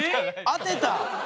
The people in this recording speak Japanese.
当てた！